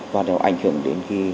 và nó ảnh hưởng đến